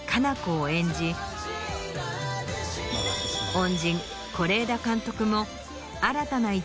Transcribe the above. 恩人是枝監督も。